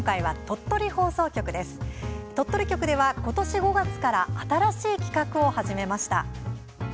鳥取局では、今年５月から新しい企画を始めました。